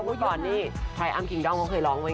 เมื่อก่อนนี่ใครอ้ำคิงด้องเขาเคยร้องไว้